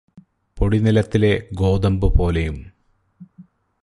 പൊടിനിലത്തിലെ ഗോതമ്പ് പോലെയും